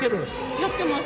・やってます